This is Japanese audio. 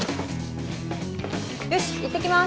よしいってきます！